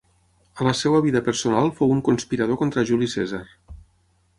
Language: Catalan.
A la seva vida personal fou un conspirador contra Juli Cèsar.